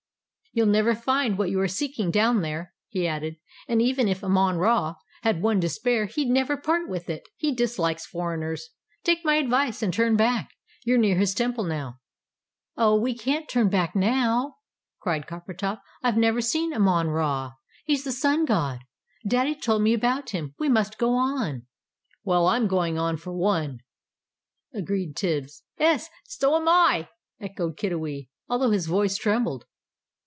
"You'll never find what you are seeking down there," he added; "and even if Amon Ra had one to spare he'd never part with it. He dislikes foreigners. Take my advice and turn back. You're near his temple now." "Oh, we can't turn back now!" cried Coppertop. "I've never seen Amon Ra. He's the Sun God. Daddy told me about him. We must go on." "Well, I'm going on, for one," agreed Tibbs. "'Es, so am I!" echoed Kiddiwee, although his voice trembled.